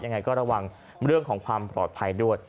ยังไงก็ระวังเรื่องของความปลอดภัยด้วย